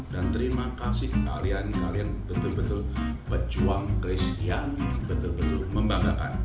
dan terima kasih kalian kalian betul betul pejuang kris yang betul betul membanggakan